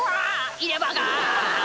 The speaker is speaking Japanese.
入れ歯が！」